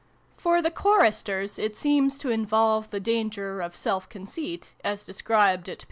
b 2 xx PREFACE. For the Choristers it seems to involve the danger of self conceit, as described at p.